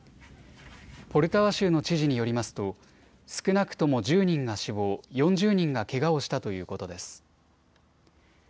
ポルタワ州の知事によりますと少なくとも１０人が死亡、４０人がけがをしたということです。